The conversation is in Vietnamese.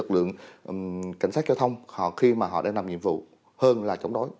lực lượng cảnh sát giao thông họ khi mà họ đang làm nhiệm vụ hơn là chống đối